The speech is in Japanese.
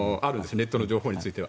ネットの情報については。